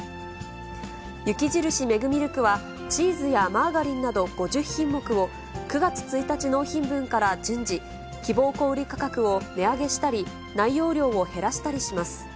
雪印メグミルクは、チーズやマーガリンなど５０品目を、９月１日納品分から順次、希望小売り価格を値上げしたり、内容量を減らしたりします。